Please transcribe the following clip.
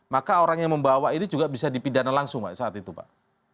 maka orang yang membawa ini juga bisa dipidana langsung pak saat itu pak